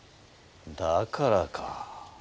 だからか。